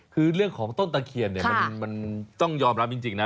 คือเรื่องของต้นตะเคียนเนี่ยมันต้องยอมรับจริงนะ